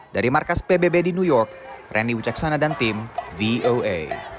dari markas pbb di new york reny wicaksana dan tim voa